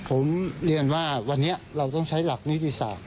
ผมเรียนว่าวันนี้เราต้องใช้หลักนิติศาสต